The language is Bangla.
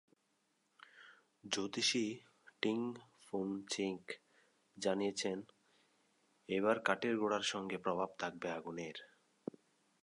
জ্যোতিষী টিং-ফুন চিক জানিয়েছেন, এবার কাঠের ঘোড়ার সঙ্গে প্রভাব থাকবে আগুনের।